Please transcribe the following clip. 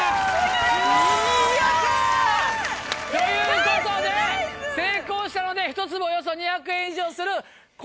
いやった！ということで成功したので１粒およそ２００円以上する。